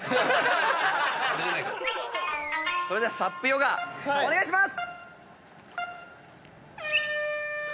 ではＳＵＰヨガお願いします！